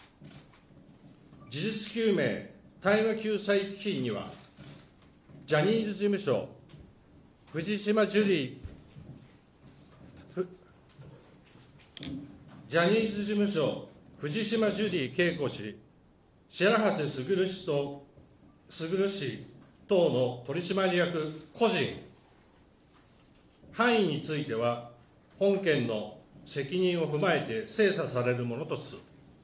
事実究明・対話救済基金には、ジャニーズ事務所、藤島ジュリー景子氏、氏等の取締役個人、範囲については、本件の責任を踏まえて、精査されるものとする。